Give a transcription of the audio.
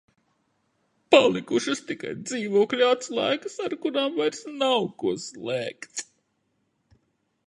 Palikušas tikai dzīvokļa atslēgas, ar kurām vairs nav ko slēgt.